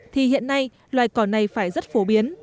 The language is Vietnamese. thì hiện nay loài cỏ này phải rất phổ biến